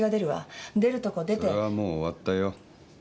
それはもう終わったよ。